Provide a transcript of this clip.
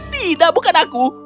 tidak bukan aku